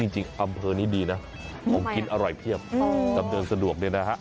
จริงอำเภอนี้ดีนะของกินอร่อยเพียบดำเนินสะดวกด้วยนะครับ